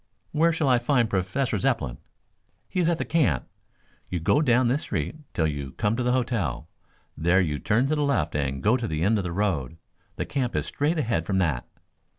"Where shall I find Professor Zepplin?" "He is at the camp. You go down this street till you come to the hotel. There you turn to the left and go to the end of the road. The camp is straight ahead from that."